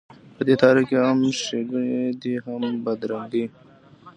په دې تاریخ کې هم ښېګڼې دي هم بدرنګۍ.